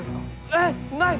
えっない！？